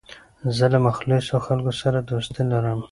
زه له مخلصو خلکو سره دوستي لرم.